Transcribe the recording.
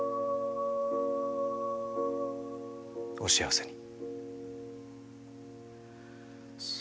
お幸せに。